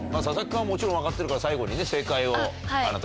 佐々木君はもちろん分かってるから最後に正解を。